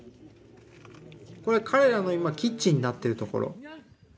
これ彼らの今キッチンになっているところ。